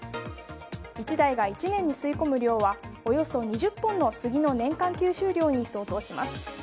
１台が１年に吸い込む量はおよそ２０本のスギの年間吸収量に相当します。